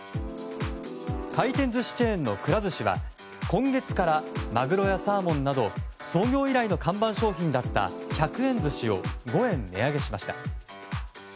回転寿司チェーンのくら寿司は今月から、マグロやサーモンなど創業以来の看板商品だった１００円寿司を５円値上げしました。